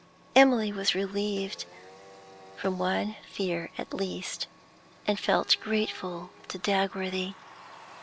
Emily was relieved from one fear at least, and felt grateful to Dagworthy.